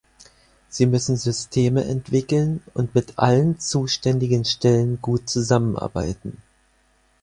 Sie müssen Systeme entwickeln und mit allen zuständigen Stellen gut zusammenarbeiten.